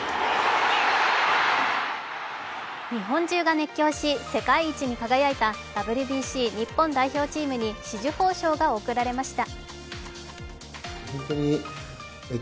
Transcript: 日本中が熱狂し世界一に輝いたＷＢＣ日本代表チームに紫綬褒章が贈られました。